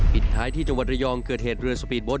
ปิดท้ายที่จังหวัดระยองเกิดเหตุเรือสปีดโท